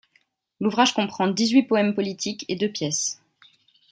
L'ouvrage comprend dix-huit poèmes politiques et deux pièces.